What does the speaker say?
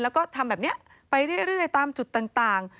แล้วก็ทำแบบนี้ไปเรื่อยตามจุดต่าง